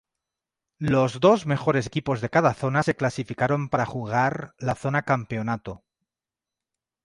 Los dos mejores equipos de cada zona se clasificaron para jugar la zona campeonato.